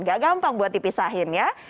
gak gampang buat dipisahin ya